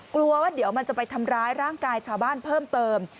กลัวว่าเดี๋ยวมันจะไปทำร้ายร่างกายชาวบ้านเพิ่มเติม